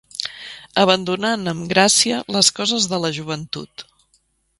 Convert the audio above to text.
Abandonant amb gràcia les coses de la joventut.